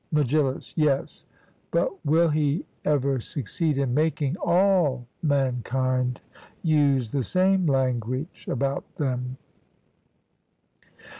MEGILLUS: Yes; but will he ever succeed in making all mankind use the same language about them?